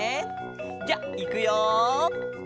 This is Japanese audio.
じゃあいくよ。